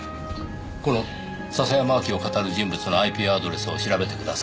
この笹山明希をかたる人物のＩＰアドレスを調べてください。